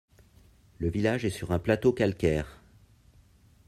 Le village est sur un plateau calcaire.